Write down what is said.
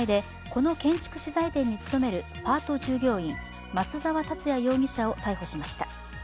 この建築資材店に勤めるパート従業員、松沢達也容疑者を逮捕しました。